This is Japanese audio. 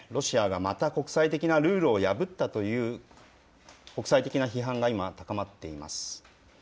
このためロシアがまた国際的なルールを破ったという、国際的な批判が今、高まっています。